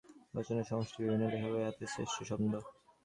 অবশ্য বাইবেলও বিভিন্ন যুগের রচনার সমষ্টি, বিভিন্ন লেখকের হাতের সৃষ্ট সম্পদ।